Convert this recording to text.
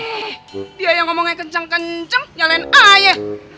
dia yang ngomongnya kenceng kenceng nyalain ayah